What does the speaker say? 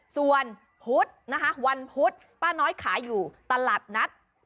ส่วนพุทธดิ์วันพุทธิ์ป้าน้อยขายอยู่ตลาดนัฐ